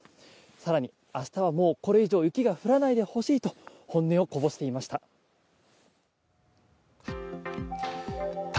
更に、明日はもうこれ以上雪が降らないでほしいと本音をこぼしていました。